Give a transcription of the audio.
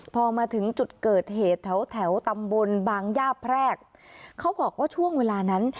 พอมาถึงจุดเกิดเหตุแถวแถวตำบลบางย่าแพรกเขาบอกว่าช่วงเวลานั้น